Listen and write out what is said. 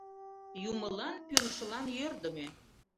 Юмылан-пӱрышылан йӧрдымӧ.